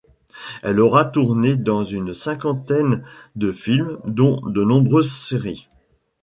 Elle aura tournée dans une cinquantaine de films dont de nombreuses séries.